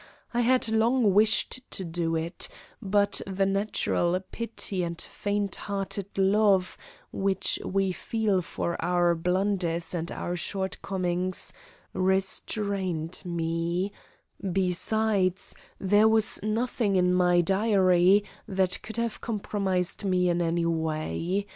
I had long wished to do it, but the natural pity and faint hearted love which we feel for our blunders and our shortcomings restrained me; besides, there was nothing in my "Diary" that could have compromised me in any way.